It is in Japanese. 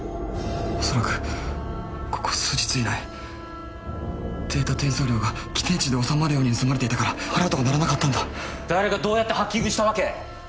恐らくここ数日以内データ転送量が規定値で収まるように盗まれていたからアラートが鳴らなかったんだ誰がどうやってハッキングしたわけ？